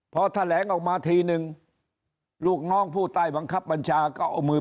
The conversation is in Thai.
พอแถลงออกมาทีนึงลูกน้องผู้ใต้บังคับบัญชาก็เอามือ